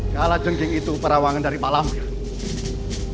kalajengking itu perawangan dari pak lamir